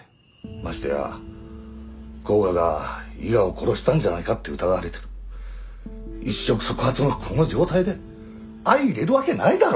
ましてや甲賀が伊賀を殺したんじゃないかって疑われてる一触即発のこの状態で相いれるわけないだろ！